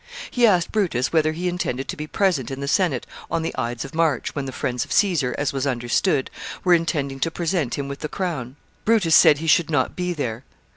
He asked Brutus whether he intended to be present in the Senate on the Ides of March, when the friends of Caesar, as was understood, were intending to present him with the crown. Brutus said he should not be there.